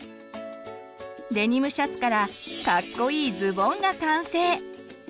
デニムシャツからカッコいいズボンが完成。